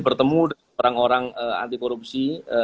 bertemu dengan orang orang anti korupsi